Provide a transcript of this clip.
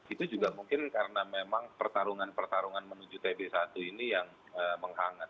itu juga mungkin karena memang pertarungan pertarungan menuju tb satu ini yang menghangat